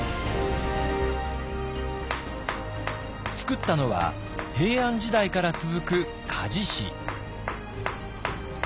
つくったのは平安時代から続く鍛冶師。